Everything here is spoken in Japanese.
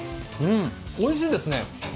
おいしいですね。